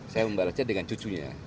saya membalasnya dengan cucunya